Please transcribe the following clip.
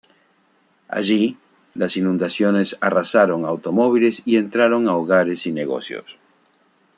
Allí, las inundaciones arrasaron automóviles y entraron a hogares y negocios.